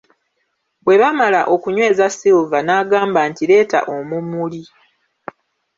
Bwe baamala okunnyweza Silver n'agamba nti leeta omumuli.